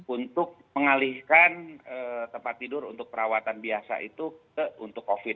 untuk mengalihkan tempat tidur untuk perawatan biasa itu untuk covid